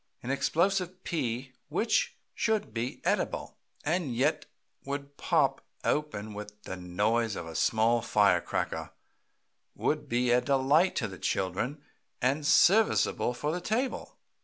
An explosive pea which should be edible, and yet would pop open with the noise of a small fire cracker, would be a delight to the children and serviceable for the table.